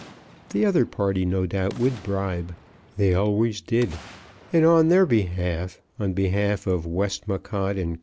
The other party no doubt would bribe. They always did. And on their behalf, on behalf of Westmacott and Co.